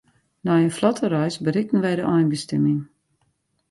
Nei in flotte reis berikten wy de einbestimming.